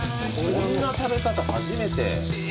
こんな食べ方初めて。